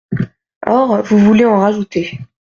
Or vous voulez en rajouter.